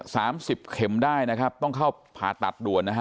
สามสิบเข็มได้นะครับต้องเข้าผ่าตัดด่วนนะฮะ